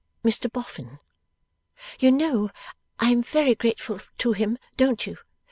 Mr Boffin. You know I am very grateful to him; don't you?